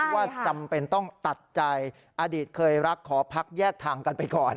ว่าจำเป็นต้องตัดใจอดีตเคยรักขอพักแยกทางกันไปก่อน